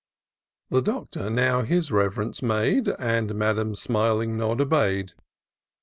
\ The Doctor now his rev'rence made. And Madam's smiling nod obey'd.